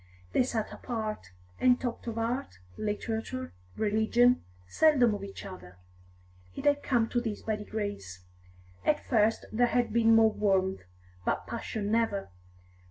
They sat apart, and talked of art, literature, religion, seldom of each other. It had come to this by degrees; at first there had been more warmth, but passion never.